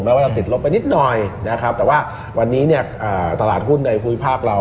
แม้ว่าติดลบไปนิดหน่อยแต่ว่าวันนี้ตลาดหุ้นในภูมิภาคเรา